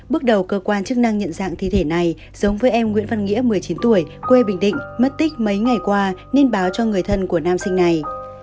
bước đầu cơ quan chức năng nhận dạng thi thể này giống với em nguyễn văn nghĩa một mươi chín tuổi quê bình định mất tích mấy ngày qua nên báo cho người thân của nam sinh này